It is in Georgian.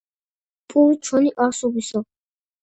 პური ჩვენი არსობისა